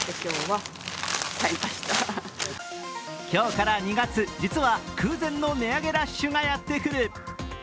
今日から２月、実は空前の値上げラッシュがやってくる。